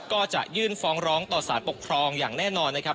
ก็จะยื่นฟ้องร้องต่อสารปกครองอย่างแน่นอนนะครับ